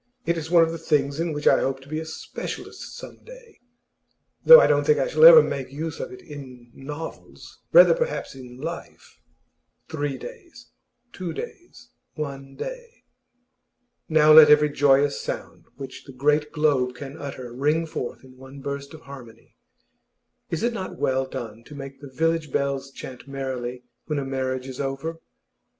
It is one of the things in which I hope to be a specialist some day, though I don't think I shall ever make use of it in novels rather, perhaps, in life.' Three days two days one day. Now let every joyous sound which the great globe can utter ring forth in one burst of harmony! Is it not well done to make the village bells chant merrily when a marriage is over?